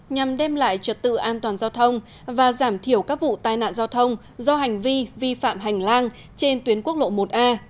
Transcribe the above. nhằm đem lại trật tự an toàn giao thông và giảm thiểu các vụ tai nạn giao thông do hành vi vi phạm hành lang trên tuyến quốc lộ một a